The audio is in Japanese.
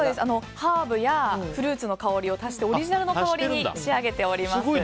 ハーブやフルーツの香りを足してオリジナルの香りに仕上げております。